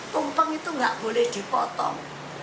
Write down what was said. tumpeng itu nggak boleh dipotong